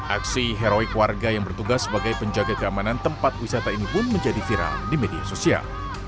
aksi heroik warga yang bertugas sebagai penjaga keamanan tempat wisata ini pun menjadi viral di media sosial